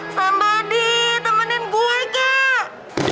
sambadi temenin gue kak